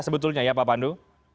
sebetulnya ya pak pandu